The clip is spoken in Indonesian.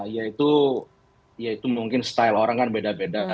ya itu mungkin style orang kan beda beda